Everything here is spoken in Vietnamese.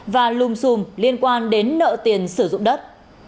và lùm xùm liên quan đến nợ tiền sử dụng đất